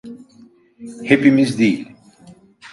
Hepimiz değil.